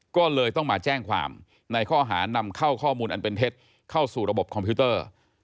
ก็เลยต้องมาแจ้งความในข้อหานำเข้าข้อมูลอันเป็นเท็จเข้าสู่ระบบคอมพิวเตอร์